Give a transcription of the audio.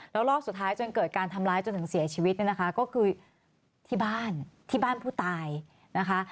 แล้วรอบสุดท้ายจนเกิดการทำร้ายจนถึงเสียชีวิตเนี่ยนะคะก็คือที่บ้านที่บ้านผู้ตายนะคะ